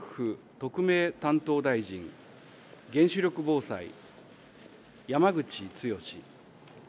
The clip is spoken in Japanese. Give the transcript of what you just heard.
特命担当大臣、原子力防災、山口壮。